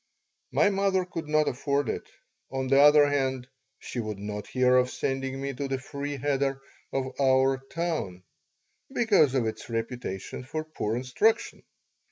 My mother could not afford it. On the other hand, she would not hear of sending me to the free cheder of our town, because of its reputation for poor instruction.